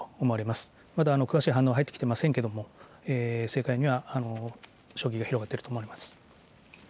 まだ詳しい反応入ってきていませんけれども、政界には衝撃が広がっていると思います。